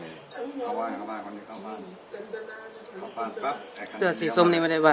แต่เราก็บ่าใจนึกว่าพี่มัยของพี่มัยเอาอะไรมาทิ้งให้